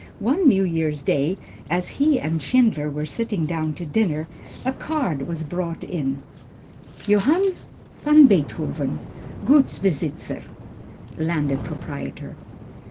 One New year's day, as he and Schindler were sitting down to dinner, a card was brought in JOHANN VAN BEETHOVEN Gutsbesitzer (Landed proprietor).